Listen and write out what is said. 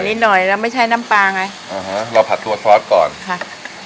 นิดหน่อยแล้วไม่ใช่น้ำปลาไงอ่าฮะเราผัดตัวซอสก่อนค่ะ